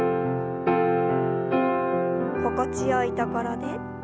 心地よいところで。